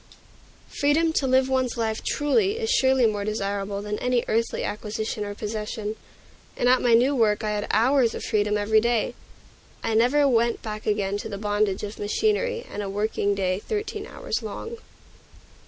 Freedom to live one's life truly is surely more desirable than any earthly acquisition or possession; and at my new work I had hours of freedom every day. I never went back again to the bondage of machinery and a working day thirteen hours long.